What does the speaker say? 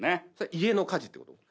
家の家事ってこと？